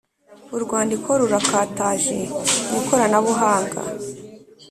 u rwanda rurakataje mu ikoranabuhanga (